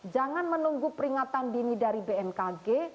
jangan menunggu peringatan dini dari bmkg